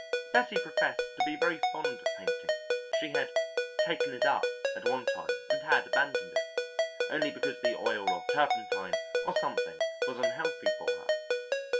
Bessie professed to be very fond of painting; she had 'taken it up' at one time and had abandoned it, only because the oil or turpentine or something was unhealthy for her.